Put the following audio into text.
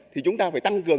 thì chúng ta phải tăng cường